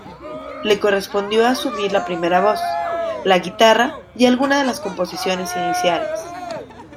Le correspondió asumir la primera voz, la guitarra y algunas de las composiciones iniciales.